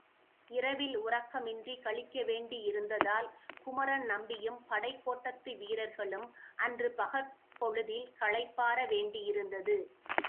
இரவில் உறக்கமின்றி கழிக்க வேண்டியிருந்ததால் குமரன் நம்பியும் படைக் கோட்டத்து வீரர்களும், அன்று பகற் பொழுதில் களைப்பாற வேண்டியிருந்தது.